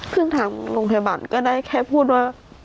ซึ่งทางโรงพยาบาลก็ได้แค่พูดว่า